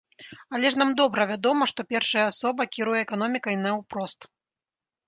Але ж нам добра вядома, што першая асоба кіруе эканомікай наўпрост.